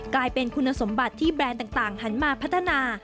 กลายเป็นคุณสมบัติที่แบรนด์ต่างหันมาพัฒนา